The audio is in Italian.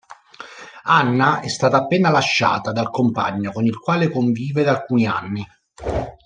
Anna è stata appena lasciata dal compagno con il quale convive da alcuni anni.